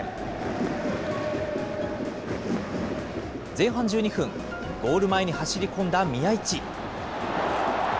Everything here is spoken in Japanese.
前半１２分、ゴール前に走り込んだ宮市。